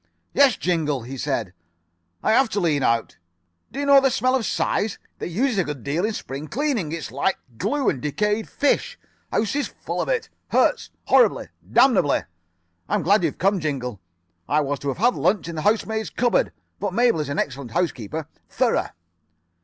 "'Yes, Jingle,' he said. 'I have to lean out. Do you know the smell of size? They use it a good deal in spring cleaning. It's like glue and decayed fish. House is full of it. It hurts. Horribly. Damnably. I'm glad you've come, Jingle. I was to have had lunch in the housemaid's cupboard. But Mabel is an excellent housekeeper. Thorough.